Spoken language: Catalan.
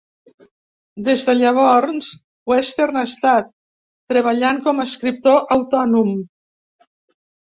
Des de llavors, Walser ha estat treballant com a escriptor autònom.